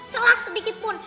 celah sedikit pun